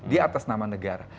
dia atas nama negara